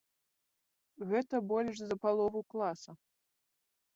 Гэта больш за палову класа.